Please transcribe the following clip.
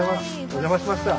お邪魔しました。